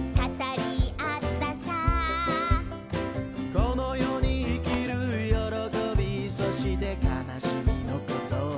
「この世に生きるよろこびそして悲しみのことを」